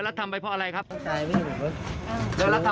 ขอโทษผมส่วนอีกเหมือนกัน